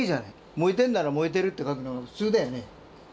燃えてんなら燃えてるって書くのが普通だよね。